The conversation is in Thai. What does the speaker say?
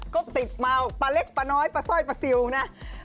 ก็ติดมาปลาเล็กปลาน้อยปลาสร้อยปลาซิลนะ